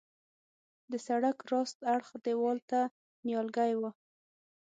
د سړک راست اړخ دیوال ته نیالګي وه.